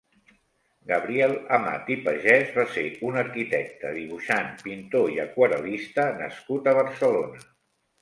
Gabriel Amat i Pagès va ser un arquitecte, dibuixant, pintor i aquarel·lista nascut a Barcelona.